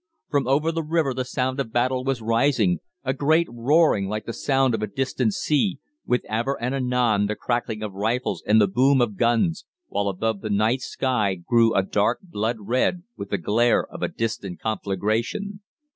From over the river the sound of battle was rising, a great roaring like the sound of a distant sea, with ever and anon the crackling of rifles and the boom of guns, while above the night sky grew a dark blood red with the glare of a distant conflagration.